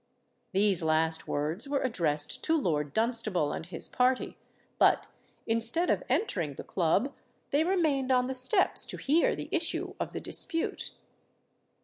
These last words were addressed to Lord Dunstable and his party; but, instead of entering the Club, they remained on the steps to hear the issue of the dispute.